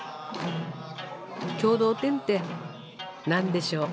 「共同店」って何でしょう？